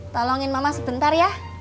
tolongin mama sebentar ya